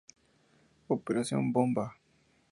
Operación ¡bomba!